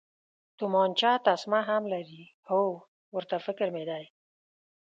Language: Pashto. تومانچه تسمه هم لري، هو، ورته فکر مې دی.